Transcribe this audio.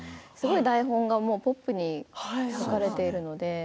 台本がポップに書かれているので。